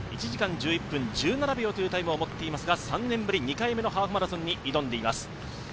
１時間１１分１７秒というタイムを持っていますが３年ぶり２回目のハーフマラソンに挑んでいきます。